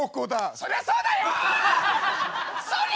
そりゃそうだよ！